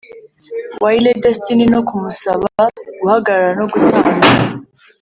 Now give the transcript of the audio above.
Waylay Destiny no kumusaba guhagarara no gutanga